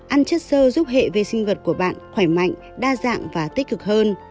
ăn chất sơ giúp hệ vi sinh vật của bạn khỏe mạnh đa dạng và tích cực hơn